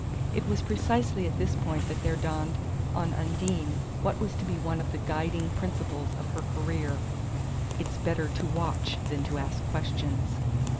It was precisely at this point that there dawned on Undine what was to be one of the guiding principles of her career: "IT'S BETTER TO WATCH THAN TO ASK QUESTIONS."